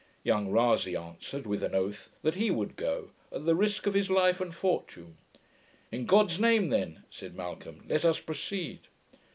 Young Rasay answered, with an oath, that he would go, at the risk of his life and fortune. 'In God's name then,' said Malcolm, 'let us proceed.'